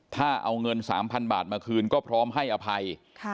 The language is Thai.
ถ้าเอาเงิน๓๐๐๐บาทมาคืนก็พร้อมให้อภัย